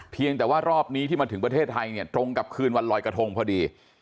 เพียงแต่ว่ารอบนี้ที่มาถึงประเทศไทยเนี่ยตรงกับคืนวันลอยกระทงพอดี